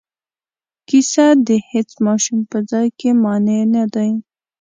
کیسه د هیڅ ماشوم په ځای کې مانع نه دی.